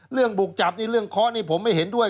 เรื่องบุกจับนี่เรื่องเคาะนี่ผมไม่เห็นด้วย